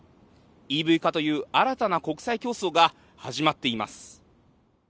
ＥＶ化という新たな国際競争が始まっています。